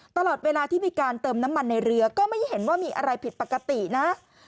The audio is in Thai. ตลอดเวลาที่มีการเติมน้ำมันในเรือก็ไม่เห็นว่ามีอะไรผิดปกตินะ